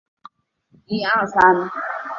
以下列出美国驻南京历任领事。